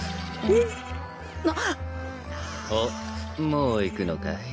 おっもう行くのかい？